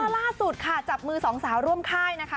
ล่าสุดค่ะจับมือสองสาวร่วมค่ายนะคะ